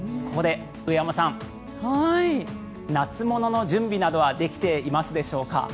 ここで上山さん夏物の準備などはできていますでしょうか。